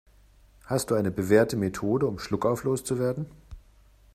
Hast du eine bewährte Methode, um Schluckauf loszuwerden?